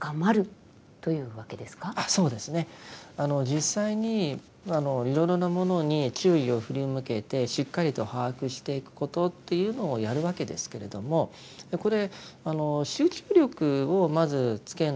実際にいろいろなものに注意を振り向けてしっかりと把握していくことというのをやるわけですけれどもこれ集中力をまずつけないとなかなかそれ難しいところがあります。